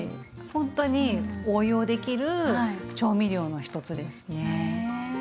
本当に応用できる調味料の一つですね。